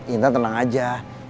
intan tenang aja